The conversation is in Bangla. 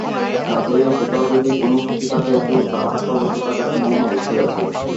কাজেই কোথাও যদি কোন কিছু থাকে তো তাহার সর্বত্র থাকার সম্ভাবনা অবশ্যই আছে।